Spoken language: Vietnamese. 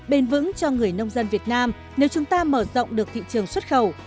bền vững cho người nông dân việt nam nếu chúng ta mở rộng được thị trường xuất khẩu